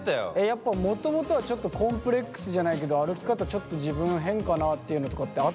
やっぱもともとはちょっとコンプレックスじゃないけど歩き方ちょっと自分変かなっていうのとかってあったの？